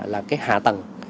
là cái hạ tầng